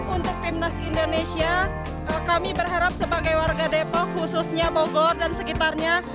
untuk timnas indonesia kami berharap sebagai warga depok khususnya bogor dan sekitarnya